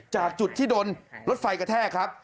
จากจุดที่โดนรถไฟกระแทกครับ